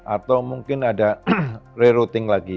atau mungkin ada rerouting lagi